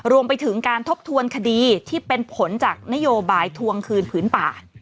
รวมไปถึงการทบทวนคดีที่เป็นผลจากนโยบายทวงคืนผืนป่า